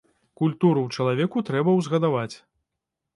Культуру ў чалавеку трэба ўзгадаваць.